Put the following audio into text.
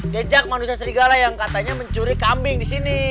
jejak manusia serigala yang katanya mencuri kambing di sini